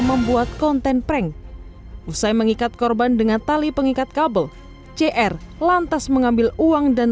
membuat konten prank usai mengikat korban dengan tali pengikat kabel cr lantas mengambil uang dan